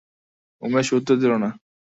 উমেশ উত্তর দিল না।